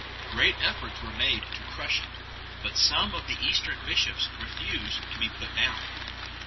Great efforts were made to crush it, but some of the Eastern bishops refused to be put down.